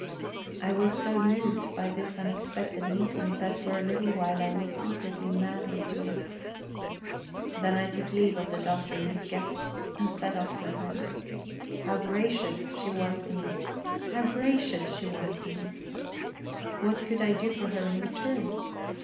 I was so moved by this unexpected meeting that for a little while I was secretly mad with joy. Then I took leave of the Doctor and his guests and set off for home. How gracious she was to me, how gracious she was to me! What could I do for her in return?